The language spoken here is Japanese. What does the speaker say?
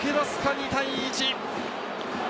２対１。